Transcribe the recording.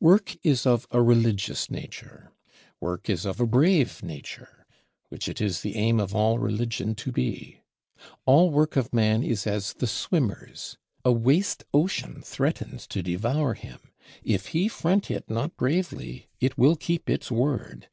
Work is of a religious nature; work is of a brave nature; which it is the aim of all religion to be. All work of man is as the swimmer's: a waste ocean threatens to devour him; if he front it not bravely, it will keep its word.